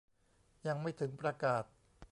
ยังไม่ถึงประกาศ